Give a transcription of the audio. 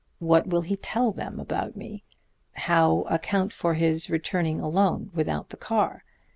What will he tell them about me? How account for his returning alone and without the car?